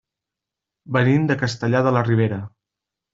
Venim de Castellar de la Ribera.